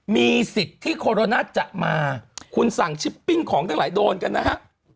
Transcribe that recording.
มีสิทธิ์ที่โคโรนาจะมาคุณสั่งชิปปิ้งของทั้งหลายโดนกันนะฮะ